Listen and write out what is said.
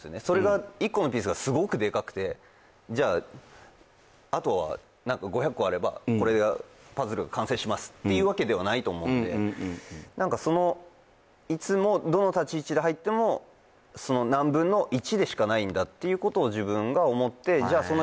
それが１個のピースがすごくでかくてじゃああとは何か５００個あればこれがパズルが完成しますっていうわけではないと思うんで何かそのいつもその何分の１でしかないんだっていうことを自分が思ってへえじゃあ